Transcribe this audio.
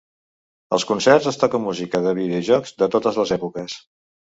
Als concerts es toca música de videojocs de totes les èpoques.